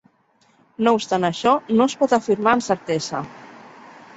No obstant això, no es pot afirmar amb certesa.